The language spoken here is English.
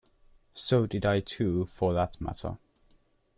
So did I too, for that matter.